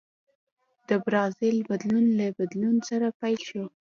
د برازیل بدلون له بدلون سره پیل شو.